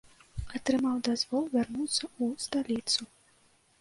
Атрымаў дазвол вярнуцца ў сталіцу.